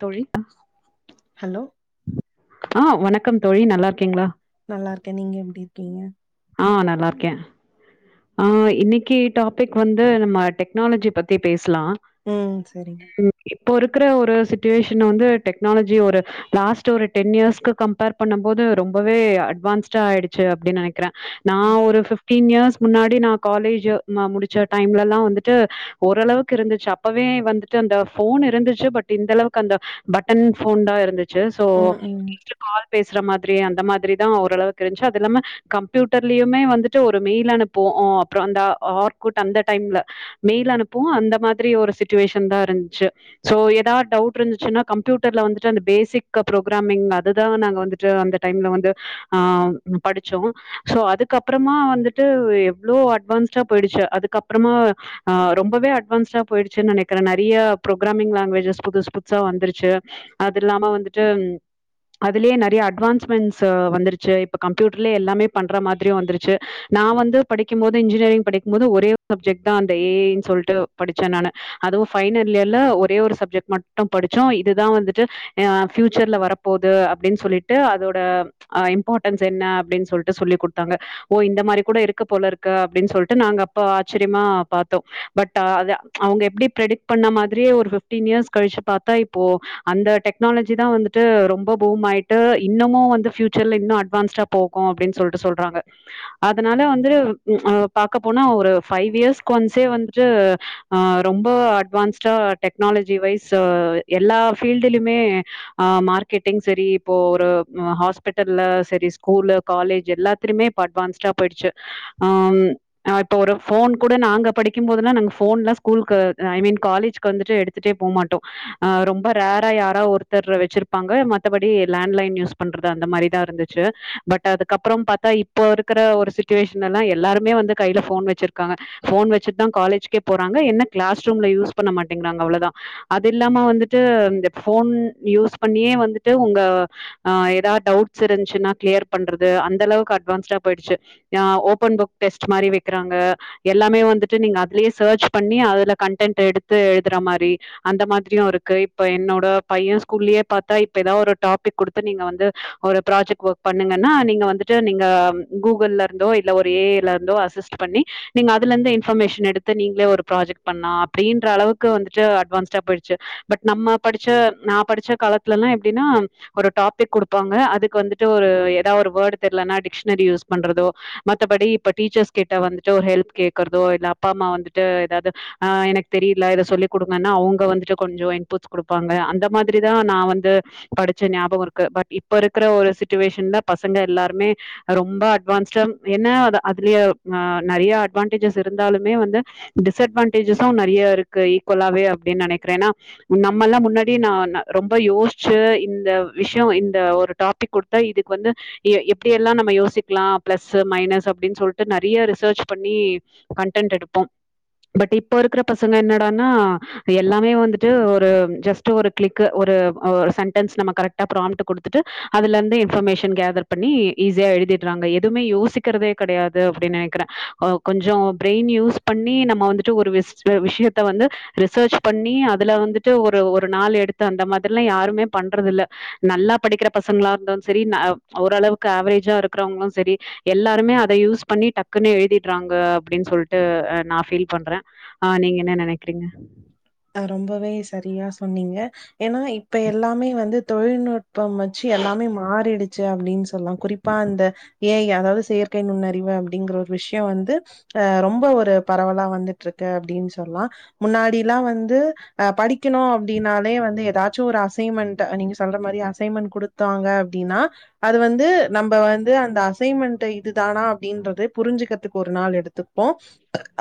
தோழி ஹலோ அ வணக்கம் தோழி நல்லா இருக்கீங்களா நல்லா இருக்கே நீங்க எப்டி இருக்கீங்க ஆ நல்லாயிருக்கே அ இன்னைக்கு டாபிக் வந்து நம்ம டெக்னாலஜி பத்தி பேசலா ம் சரிங்க ஓகே இப்போ இருக்கிற ஒரு சிச்சுவேஷன் வந்து டெக்னாலஜி ஒரு லாஸ்ட் ஒரு டென் இயர்ஸ்கு கம்பேர் பண்ணும் போது ரொம்பவே அட்வான்ஸ்டா ஆயிடுச்சு அப்டின்னு கிறே நா ஒரு பிப்டீன் இயர்ஸ் முன்னாடி நா காலேஜ் நா முடிச்ச டைம்லலா வந்துட்டு ஓரளவுக்கு இருந்துச்சு அப்பவே வந்துட்டு அந்த போன் இருந்துச்சு பட் இந்த அளவுக்கு அந்த பட்டன் போன் தா இருந்துச்சு சோ ம் ம். ஜஸ்ட் [unintelligible] கால் பேசுற மாதிரி அந்த மாதிரிதா ஓரளவுக்கு இருதுச்சு அது இல்லாம கம்ப்யூட்டர்லயுமே வந்துட்டு ஒரு மெயில் அனுப்புவோ அ அப்புற அந்த ஆர்க்கட் அந்த டைம்ல மெயில் அனுப்புவோ அந்த மாதிரி ஒரு சிச்சுவேஷன் தா இருந்துச்சு சோ ஏதாவது டவுட் இருந்துச்சுன்னா கம்ப்யூட்டர்ல வந்துட்டு அந்த பேசிக் அப்ரோ ப்ரோக்ராமிங் அதுதா நாங்க வந்துட்டு வந்து டைம்ல வந்து அ படிச்சோ சோ அதுக்கு அப்ரோமா வந்துட்டு எவ்ளோ அட்வான்ஸ்டா போயிடுச்சு அதுக்கப்புறமா ஆ ரொம்பவே அட்வான்ஸ்டா போய்டுச்சு நினைக்கிற நெறைய ப்ரோக்கீராமிங் லாங்குவேஜஸ் புது புதுசா வந்துருச்சு அதுல்லாம வந்துட்டு அதுலயே நெறைய அட்வான்ஸ்மென்சோ வந்துருச்சு இப்ப கம்ப்யூட்டர்லயே எல்லாமே பண்ற மாதிரியு வந்துருச்சு நா வந்து படிக்கு போது இன்ஜினியரிங் படிக்கு போது ஒரே சப்ஜெக்ட் தா அந்த ஏ ஐன்னு சொல்லிட்டு படிச்சே நானு அதுவு பைனல் இயர்ல்ல ஒரே ஒரு சப்ஜெக்ட் மட்டு படிச்சா இதுதா வந்துட்டு அ ஃபியூச்சர்ல வரப்போது அப்டின்னு சொல்லிட்டு அதோட அ இம்பார்டன்ஸ் என்ன அப்டின்னு சொல்லிட்டு சொல்லி கொடுத்தாங்க ஓ இந்த மாரி கூட இருக் க்கு போல இருக்க அப்டின்னு சொல்லிட்டு நாங்க அப்ப ஆச்சரியமா பாத்தோ பட் அவங்க எப்டி பிரடிக் பண்ண மாதிரியே ஒரு ஃபிஃப்டீன் இயர்ஸ் கழிச்சு பாத்தா இப்போ அந்த டெக்னாலஜி தா வந்துட்டு ரொம்ப பூம் ஆயிட்டு இன்னமு வந்து பியூச்சர்ல இன்னு அட்வான்ஸ போகோ அப்டின்னு சொல்லிட்டு சொல்றாங்க அதனால வந்து [unintelligible] பாக்க போனா ஒரு ஃபைவ் இயர்ஸ் ஒன்ஸ் வந்து அ ரொம்ப அட்வான்ஸ் சோ டெக்னாலஜி வைஸ் எல்லா ஃபீல்டுலுமே ஆ மார்க்கெட்டிங் சரி இப்போ ஒரு ஹாஸ்பிட்டல்ல சரி ஸ்கூல்ல காலேஜ் எல்லாத்திலயுமே இப்ப அட்வான்ஸ்ட போயிடுசு ஆம் அத்தொரு போன் கூட நாங்க படிக்குபோதெல்லா நாங்க போன்லா ஸ்கூல்கு ஐ மீன்காலேஜ் வந்துட்டு எடுத் ட்டே போமாட்டோ ஆ ரொம்ப ரேரா யாரா ஒருத்தர் வச்சிருப்பாங்க மத்தபடி லேண்ட்லைன் யூஸ் பண்றது அந்த மாரி தா இருந்துச்சு ச் பட் அதுக்கப்பற பாத்தா இப்ப இருக்கிற ஒரு சு சுச்வேஷனல்லாம் எல்லாருமே வந்து கையில போன் வச்சிருக்காங்க போன் வச்சுட்டுதா காலேஜ்கே போறாங்க என்ன கிளாஸ் ரூம்ல யூஸ் பண்ண மாட்டேங்காங்க அவ்வளவுதா அது இல்லாம வந்துட்டு இந்த போன் யூஸ் பண்ணியே வந்துட்டு உங்க ஆ ஏதா டவுட்ஸ் இருந்துச்சுன்னா கிளியர் பண்றது அந்த அளவுக்கு அட்வான்ஸ்டா போயிடுச்சு ஆ ஓபன் புக் டெஸ்ட் மாரி வைக்கிறாங்க எல்லாமே வந்துட்டு நீங்க அதுலயே சேர்ச் பண்ணி அதுல கன்டென்ட் எடுத்து எழுதுற மாரி அந்த மாதிரியு இருக்கு இப்ப என்னோட பைய ஸ்கூல்லயே பாத்தா இப்ப ஏதாவது ஒரு டாபிக் கொடுத்து இப்ப நீங்க வந்து ஒரு ப்ராஜெக்ட் ஒர்க் பண்ணுங்கன்னா நீங்க வந்துட்டு நீங்க கூகுள்ல இருந்தோ இல்ல ஒரு ஏ ஐல இருந்தோ அசிஸ்ட் பண்ணி நீங்க அதுல இருந்து இன்பர்மேஷன் எடுத்து நீங்களே ஒரு ப்ராஜெக்ட் பண்ணா அப்டின்ற அளவுக்கு வந்துட்டு அட்வான்ஸ்டா போயிடுச்சு பட் நம்ம படிச்ச நா படிச்ச காலத்துலலா எப்டினா ஒரு டாபிக் குடுப்பாங்க அதுக்கு வந்துட்டு ஒரு ஏதா ஒரு வேர்டு தெர்லனா டிகஷனரி யூஸ் பண்றதோ மத்தபடி இப்ப டீச்சர்ஸ் கிட்ட வந்துட்டு ஒரு ஹெல்ப் கேக்கறதோ இல்ல அப்பா அம்மா வந்துட்டு ஏதாது ஆ எனக் தெரில இத சொல்லிக் குடுங்கனு அவுங்க வந்துட்டு கொஞ்சோ இன்புட்ஸ் குடுப்பாங்க அந்த மாதிரிதா நா வந்து படிச்ச ஞாபவோ இருக்கு பட் இப்ப இருக்குற ஒரு சிச்சுவேஷன்ல பசங்க எல்லாருமே ரொம்ப அட்வான்ஸ் சம் என்ன அது அதுலயே ஆ நறைய அட்வான்டேஜஸ் இருந்தாலுமே வந்து டிஸ்அட்வான்டேஜ்சும் நறைய இருக்கு ஈக்குவலாவே அப்டின் நனைக்கிற எனா நம்மல்லா முன்னாடி நா ந ரொம்ப யோசிச்சு இந்த விஷ்ய இந்த ஒரு டாபிக் குடுத் தா இதுக்கு வந்து எ எப்டி எல்லா நம்ம யோசிக்கலா பிளஸ்சு மைனஸ்சு அப்டின் சொல்ட்டு நறைய ரிசர்ச் பண்ணி கன்டன்ட் எடுப்போ பட் இப்போ இருக்கற பசங்க என்னடன்னா எல்லாமே வந்துட்டு ஒரு ஜஸ்ட் ஒரு கிளிக்கு ஒரு ஒ சென்டன்ஸ் நம்ம கரெக்ட் ட ப்ராம்ட்ட கொடுத்துட்டு அதுல இருந்து இன்பர்மேஷன் கேதர் பண்ணி ஈஸியா எழுதிட்றாங்க எ எதுமே யோசிக்கறதே கெடையாது அப்டின்னு நெனக்கிற கொஞ்சோ பிரின் யூஸ் பண்ணி நம்ம வந்துட்டு ஒரு விஸ் சில விஷ்யத்த வந்து ரிசர்ச் பண்ணி அதுல வந்துட்டு ஒரு ஒரு நாள் எடுத்து அந்த மாதிரிலா யாருமே பண்றதுல்ல நல்லா படிக்கிற பசங்களா இருந்தாலு சரி ந ஓரளவுக்கு ஆவரேஜா இருக்கறவங்களு சரி எல்லாருமே அத யூஸ் பண்ணி டக்குன் எழுதிட்றாங்க அப்டின் சொல்ட்டு நா ஃபீல் பண்ற ஆ நீங்க என்ன நெனக்றீங்க ஆ ரொம்பவே சரியா சொன்னீங்க எனா இப்ப எல்லாமே வந்து தொழில்நுட்பம் வச்சு எல்லாமே மாறிடுச்சு அப்டின் சொல்லா குறிப்பா அந்த ஏ ஐ அதாவது செயற்கை நுண்ணறிவு அப்டிங்கற ஒரு விஷ்யோ வந்து அ ரொம்ப ஒரு பரவலா வந்துட்ருக்கு அப்டின் சொல்லா முன்னாடி லா வந்து படிக்கணு அப்டின்னாலே வந்து எதா ச்சு ஒரு அசைன்மெண்ட்டு நீங்க சொல்ற மாரி அசைன்மெண்ட் குடுத்தாங்க அப்டின்னா அது வந்து நம்ப வந்து அந்த அசைன்மெண்ட இதுதானா அப்டின்றதே புரிஞ்சுக்கதுக்கு ஒரு நாள் எடுத்துப்போ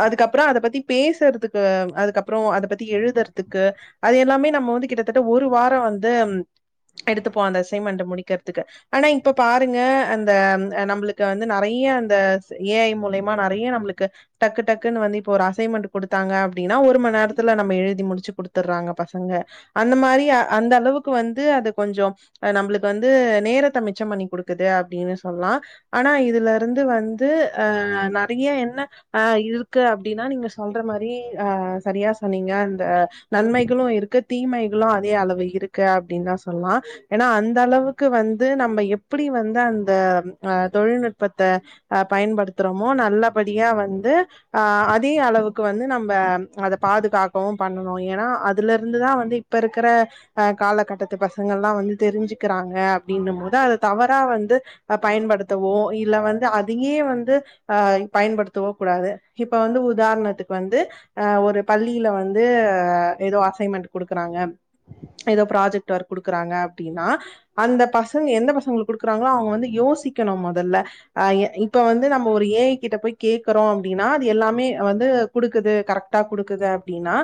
அதுக்கப்ற அத பத்தி பேசுறதுக்கு அதுக்கப் அப்றோ அத பத்தி எழுதற்துக்கு அது எல்லாமே நம்ம வந்து கிட்டத்தட்ட ஒரு வார வந்து எடுத்துப்போ அந்த அசைமென்ட்ட முடிக்கற்துக்கு ஆனா இப்ப பாருங்க அந்த நம்ளுக்கு வந்து நறைய அந்த ஏ ஐ மூலியமா நறைய நம்ளுக்கு டக்கு டக்குன்னு வந்து இப்ப ஒரு அசைன்மென்ட்டு குடுத்தாங்க அப்டினா ஒரு மண் நேரத்துல நம்ம எழுதி முடிச்சு குடுத்தட்றாங்க பசங்க அந்த மாரி அந்த அளவுக் கு வந்து அது கொஞ்சோ அ நம்ளுக்கு வந்து நேரத்த மிச்சம் பண்ணி குடுக்குது அப்டின்னு சொல்லா ஆனா இதுல இருந்து வந்து அ நறைய என்ன ஆ இருக்கு அப்டின்னா நீங்க சொல்ற மாரி ஆ சரியா சொன்னிங்க அந்த நன்மைகளு இருக்கு தீமைகளு அதே அளவு இருக்கு அப்டின் தா சொல்லா எனா அந்தளவுக்கு வந்து நம்ம எப்டி வந்து அந்த அ தொழில்நுட்பத்த அ பயன்படுத்துறோமோ நல்லபடியா வந்து ஆ அதே அளவுக்கு வந்து நம்ப அத பாதுகாக்கவு பண்ணணு எனா அதுல இருந்து தா வந்து இப்ப இருக்கற அ காலகட்டத்து பசங்கலா வந்து தெரிஞ்சுக்கிறாங்க அப்டின்னும் போது அத தவறா வந்து அ பயன்படுத்தவோ இல்ல வந்து அதியே வந்து ஆ பயன்படுத்தவோ கூடாது இப்ப வந்து உதாரணத்துக்கு வந்து ஆ ஒரு பள்ளியில வந்து ஏதோ அசைன்மென்ட்டு குடுக்குறாங்க ஏதோ ப்ராஜெக்ட் டு ஒர்க் குடுக்குறாங்க அப்டின்னா அந்த பசங்க எந்த பசங்களுக்கு குடுக்குறாங்களோ அவுங்க வந்து யோசிக்கணு மோதல்ல ஆ எ இப்ப வந்து நம்ம ஒரு ஏ ஐ கிட்ட போய் கேக்குறோ அப்டின்னா அது எல்லாமே வந்து குடுக்குது கரெக் குடுக்குது அப்டின்னா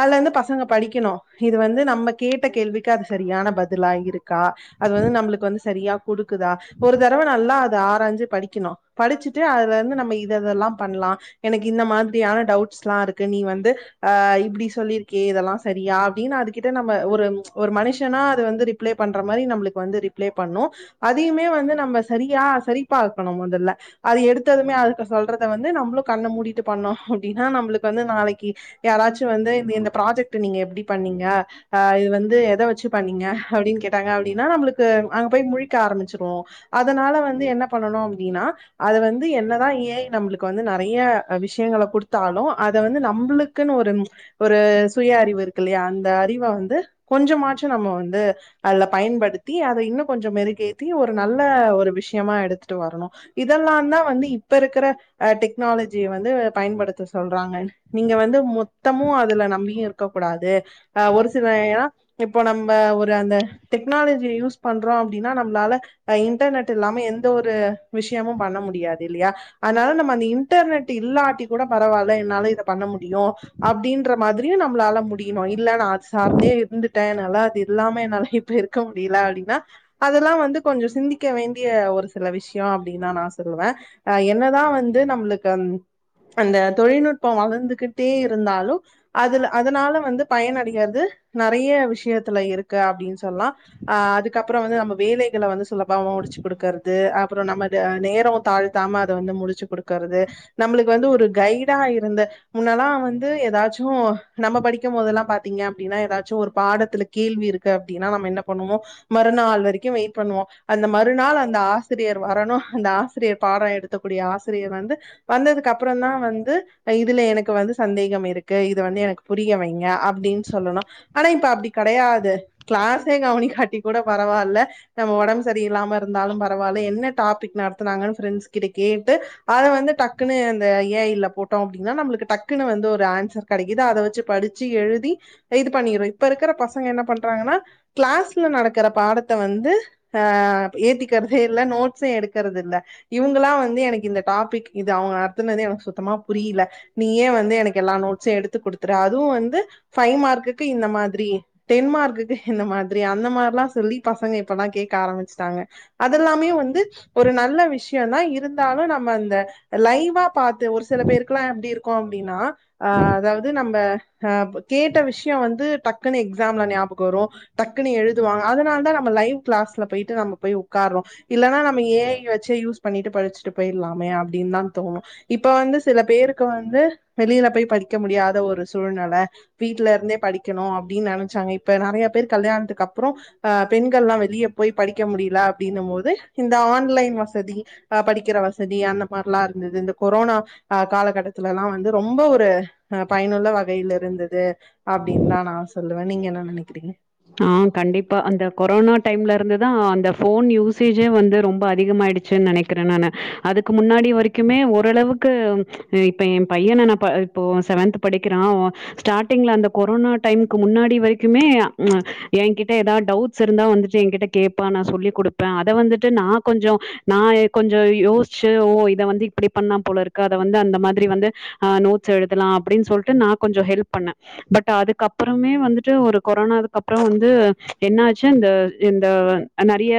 அதுல இருந்து பசங்க படிக்கணும் இது வந்து நம்ம கேட்ட கேள்விக்கு அது சரியான பதிலா இருக்கா அது வந்து நம்மளுக்கு வந்து சரியா குடுக்குதா ஒரு தடவ நல்லா அத ஆராஞ்சு படிக்கணும் படிச்சுட்டு அதுல இருந்து நம்ம இதெதல்லாம் பண்ணலாம் எனக்கு இந்த மாதிரியான டவுட்ஸ்லா இருக்கு நீ வந் து ஆ இப்டி சொல்லியிருக்கே இதெல்லா சரியா அப்டின்னு அதுகிட்ட நம்ம ஒரு ஒரு மனுஷனா அது வந்து ரி ரிப்ளே பண்ற மாரி நம்மளுக்கு வந்து ரிப்ளே பண்ணு அதுமே வந்து நம்ப சரியா சரி பாக்கன்னு மொதல்ல அது எடுத்ததுமே அதுக்கு சொல்றத வந்து நம்புளு கண்ண மூடிட்டு பண்ணோ அப்டின்னா நம்மளுக்கு வந்து நாளைக் யாராச்சு வந்து இந்த இந்த ப்ராஜெக்ட் நீங்க எப்டி பண்ணீங்க ஆ இது வந்து எத வச்சு பண்ணீங்க அப்டின்னு கேட் டாங்க அப்டின்னா நம்மளுக்கு அங்க போய் முழிக்க ஆரம்பிச்சிருவோ அதனால வந்து என்ன பண்ணனும் அப்டின்னா அது வந்து என்னதா ஏஐ நம்மளுக்கு வந்து நிறைய விஷயங்கல கொடுத்தாலும் அதை வந்து நம் ளுக்குன்னு ஒரு ஒரு சுய அறிவு இருக்கு இல்லையா அந்த அறிவ வந்து கொஞ்சமாச்சும் நம்ம வந்து அதுல பயன்படுத்தி அத இன்னும் கொஞ்சம் மெருகேத்தி ஒரு நல்ல ஒரு விஷயமா எடுத்துட்டு வரணும் இதெல்லாம் தான் வந்து இப்ப இருக்கிற டெக்னாலஜிய வந்து பயன்படுத்த சொல்றாங்க நீங்க வந்து மொத்தமும் அதுல நம்பியும் இருக்க கூடாது ஆ ஒரு சில யா இப்போ நம்ம ஒரு அந்த டெக்னாலஜி யூஸ் பண்றோம் அப்டின்னா நம்மளால இப்ப இன்டர்நெட்டு இல்லாம எந்த ஒரு விஷயமு பண்ண முடியாது இல்லயா அதனால நம்ம அந்த இன்டர்நெட்டு இல்லாட்டி கூட பரவால்ல என்னால இத பண்ண முடியு அப்டின்ற மாதிரியு நம்ளால முடியுணு இல்லன்ன அது சார்ந்தே இருந்துட் ட்ட அதனால அது இல்லாம என்னால இப்ப இருக்க முடில அப்டின்னா அதெல்லா வந்து கொஞ்ச சிந்திக்க வேண்டிய ஒரு சில விஷயோ அப்டினுதா நா சொல்லுவே அ என்னதா வந்து நம்ளுக்கு அந்த தொழில்நுட் பம் வளந்துகிட்டே இருந்தாலு அதுல அதனால வந்து பயனடயிறது நறைய விஷயத்ல இருக்கு அப்டின்னு சொல்லா அ அதுக்கப்புற வந்து நம்ம வேலைகள வந்து சுலபா முடிச்சு குடுக்கறது அப்ற நம்ம இத நேர தாழ் தாமா வந்து அத வந்து முடிச்சு குடுக்கறது நம்மளுக்கு வந்து ஒரு கைடா இருந்த முன்னெலா வந்து ஏதாச்சு நம்ம படிக்கு போதெலா பாத்தீங்க அப்டின்னா ஏதாச்சு ஒரு பாடத்ல கேள்வி இருக்கு அப்டினா நம்ம என்ன பண்ணுவோ மறுநாள் வரைக்கு வெயிட் பண்ணுவோ அந்த மறுநாள் அந்த ஆ ஆசிரியர் வரணு அந்த ஆசிரியர் பாட எடுக்கக்கூடிய ஆசிரியர் வந்து வந்ததுக்கு அப்புற தா வந்து இதுல எனக்கு வந்து சந்தேகம் இருக்கு இது வந்து எனக்கு புரிய வைங்க அப்டின்னு சொல்லணு ஆனா இப்ப அப்டி கிடையாது க்ளாஸே கவனிக்காட்டி கூட பரவால்ல நம்ம ஒடம்பு சரியில்லாம இருந்தாலு பரவால்ல என்ன டாபிக் நடத்துனாங்கன்னு ஃப்ரெண்ட்ஸ் கிட்ட கேட்டு அத வந்து டக்குனு இந்த ஏ ஐ ல போட் டோம் அப்டின்னா நம்மளுக்கு டக்குனு வந்து ஒரு ஆன்சர் கிடைக்குது அத வச்சு படிச்சு எழுதி இது பண்ணிரு இப்ப இருக்ற பசங்க என்ன பண்றாங்கனா கிளாஸ்ல நடக்ற பாடத்த வந்து ஆ ஏத்தி க இல்ல நோட்ஸ் எடுக்குறது இல்ல இவங்களா வந்து எனக்கு இந்த டாபிக் இது அவுங்க நடத்துனது எனக் சுத்தமா புரில நீயே வந்து எனக்கு எல்லா நோட்ஸு எடுத்து குடுத்துறு அதுவு வந்து ஃபைவ் மார்க்குக்கு இந்த மாதிரி டென் மார்க்குக்கு இந்த மாதிரி அந்த மாரில்லா சொல்லி பசங்க இப்பலா கேட்க ஆரம்பிச்சுட்டாங்க அதெல்லாமே வந்து ஒரு நல்ல விஷ்யோனா இருந்தாலு நம்ம அந்த லைவா பாத்து ஒருச் சில பேருக்லா எப்டி இருக்கு அப்டினா அ அதாவது நம்ப அப் கேட்ட விஷ்யோ வந்து டக்குனு எக்ஸாம்ல ஞாபகோ வரு டக்குனு எழுதுவாங்க அதனால தா நம்ம லைவ் கிளாஸ்ல போயிட்டு நாம போய் உக்கார்றோ இல்லனா நம்ம ஏ ஐ வச்சே யூஸ் பண்ணிட்டு படிச்சுட்டு போயில்லாமே அப்டின்தாந் தோணு இப்ப வந்துச் த பேருக்கு வந்து வெளில போய் படிக்க முடியாத ஒரு சூழ்நெல வீட்லருந்தே படிக் க்கணு அப்டின் நெனச்சாங்க இப்ப நெறயப் பேர் கல்யாண்த்துக்கு அப்றோ அ பெண்கள்லா வெளியப் போய் படிக்க முடில அப்டின்னம்போது இந்த ஆன்லைன் வசதி அ படிக்கிற வசதி அந்த மார்லா இருந்தது இந்த கொரோனா அ காலகட்டதுலலா வந்து ரொம்ப ஒரு அ பயனுள்ள வகைல இருந்தது அப்டின்தா நா சொல்லுவே நீங்க என்ன நெனைக்குறீங்க ஆ கண்டிப்பா அந்த கொரோனா டைம்ல இருந்துதா அந்த ஃபோன் யூசேஜே வந்து ரொம் ப அதிகமாயிடுச்சு நெனைக்கிறே நானு அதுக்கு முன்னாடி வரைக்குமே ஓரளவுக் கு இப்ப எம் பையன நா இப்ப இப்போ செவன்த்து படிக்கிறா ஒ ஸ்டாட்டிங்ல அந்த கொரோனா டைமுக்கு முன்னாடி வரைக்குமே ம் எங்கிட்ட எதா டவுட்ஸ் இருந்தா வந்துட்டு எங்கிட்ட கேப்பா நா சொல்லி்க் குடுப்பே அத வந்துட்டு நா கொஞ்சோ நா எ கொஞ்சோ யோச்சு ஓ இத வந்து இப்டி பண்ணாம் போல இருக்கு அத வந்து அந்த மாதிரி வந்து ஆ நோட்ஸ் எழுதலா அப்டின் சொல்ட்டு நா கொஞ்சோ ஹெல்ப் பண்ணே பட் அதுக்கப்றமே வந்துட்டு ஒரு கொரோனாவு கப்றோ வந்து என்ன ஆச்சு இந்த இந்த நெறய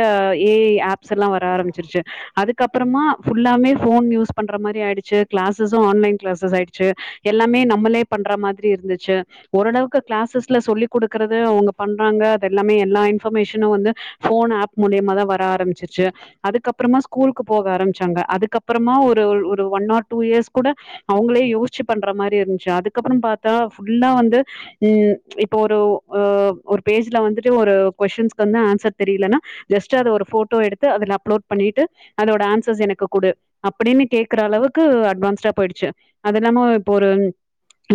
ஏ ஐ ஆப்ஸ் எல்லா வர ஆரம்பிச்சிருச்சு அதுக்கப்றமா ஃபுல்லாமே ஃபோன் யூஸ் பண்ற மாரி ஆயிடுச்சு கிளாஸஸு ஆன்லைன் கிளாஸஸ் ஆயிடுச்சு எல்லாமே நம்மளே பண்ற மாதிரி இருந்துச்சு ஓரளவுக்கு கிளாஸஸ்ல சொல்லி் குடுக்கறது அவுங்கப் பண்றாங்க அது எல்லாமே எல்லா இன்ஃபர்மேஷனு வந்து ஃபோன் ஆப் மூலியமாதா வர ஆரம்பிச்சிருச்சு அதுக்கப்றமா ஸ்கூலுக்கு போக ஆரம்ச்சாங்க அதுக்கப்பறமா ஒரு ஒரு ஒரு ஒன் ஆர் டூ இயர்ஸ் கூட அவுங்ளே யோச்சு பண்ற மாரி இருந்ச்சு அதுக்கப்றம் பாத்தா ஃபுல்லா வந்து ம் இப்ப ஒரு அ ஒரு பேஜ்ல வந்துட்டு ஒரு கொஸின்ஸ்கு வந்து ஆன்சர் தெரிலனா ஜஸ்ட்டு அத ஒரு போட்டோ எடுத்து அதுல அப்லோட் பண்ணிட்டு அதோட ஆன்சர்ஸ் எனக்கு குடு அப்டின்னு கேக்கற அளவுக்கு அட்வான்ஸ்டா போயிடுச்சு அதுல்லாம இப்ப ஒருன்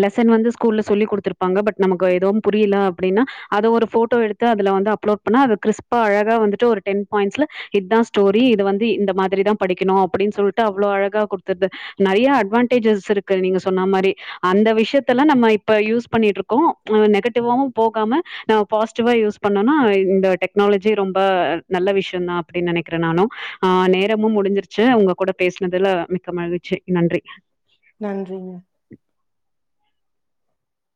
லெசன் வந்து ஸ்கூல்ல சொல்லி குடுத்துருப்பாங்க பட் நமக்கு எதுவும் புரியில அப்டினா அத ஒரு போட்டோ எடுத்து அதுல வந்து அப்லோட் பண்ண அது கிறிஸ்பா அழகா வந்துட்டு ஒரு டென் பாயிண்ட்ல இதாச் ஸ்டோரி இத வந்து இந்த மாதிரிதாம் படிக்கணு அப்டின் சொல்ட்டு அவ்ளோ அழகா குடுத்துர்து நெறையா அட்வான்டேஜஸ் இருக்கு நீங்க சொன்னா மாரி அந்த விஷ்யத்தெல்லா நம்ம இப்ப யூஸ் பண்ணிட்ருக்கோ அ நெகட்டிவாவும் போகாம ந பாசிட்டிவா யூஸ் பண்ணோனா இந்த டெக்னாலஜி ரொம்ப நல்ல விஷ்யந்தா அப்டின் நெனைக்றே நானு ஆ நேரமும் முடிஞ்சிருச்சு உங்க கூட பேச்னதுல மிக்க மகிழ்ச்சி நன்றி நன்றிங்க